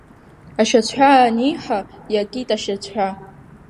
Ашьацҳәа аниҳа, иакит ашьацҳәа.